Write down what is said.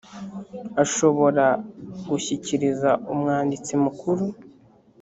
ashobora gushyikiriza umwanditsi mukuru